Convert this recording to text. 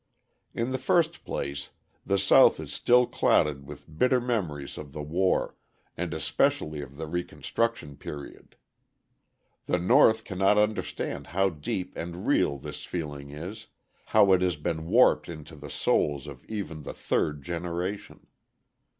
In the first place, the South is still clouded with bitter memories of the war, and especially of the Reconstruction period. The North cannot understand how deep and real this feeling is, how it has been warped into the souls of even the third generation.